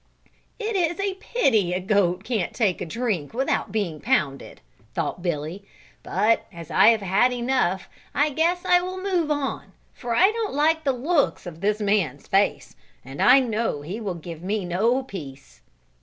"It is a pity a goat can't take a drink without being pounded," thought Billy. "But as I have had enough I guess I will move on for I don't like the looks of this man's face, and I know he will give me no peace."